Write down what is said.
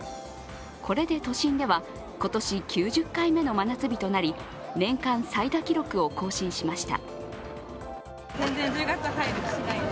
これで都心では今年９０回目の真夏日となり、年間最多記録を更新しました。